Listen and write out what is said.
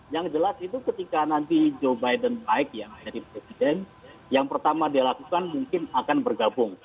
yang jelas itu ketika nanti joe biden baik yang pertama dilakukan mungkin akan bergabung